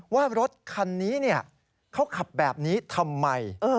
ว่ารถคันนี้เขาขับแบบนี้ทำไม